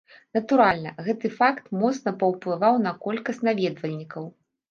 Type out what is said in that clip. Натуральна, гэты факт моцна паўплываў на колькасць наведвальнікаў.